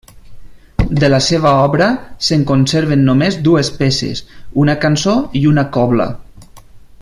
De la seva obra se'n conserven només dues peces: una cançó i una cobla.